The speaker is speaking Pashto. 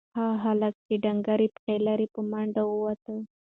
هغه هلک چې ډنگرې پښې لري په منډه ووت.